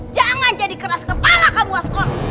jangan jadi keras kepala kamu buaskol